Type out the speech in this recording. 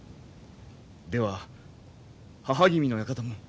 では母君の館も？